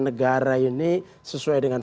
negara ini sesuai dengan